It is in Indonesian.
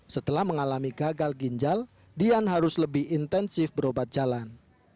setelah mengalami gagal ginjal dian harus lebih intensif berobat jalan